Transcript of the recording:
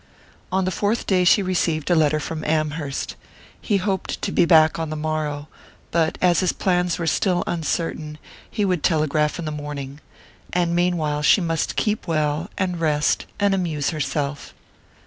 On the fourth day she received a letter from Amherst. He hoped to be back on the morrow, but as his plans were still uncertain he would telegraph in the morning and meanwhile she must keep well, and rest, and amuse herself....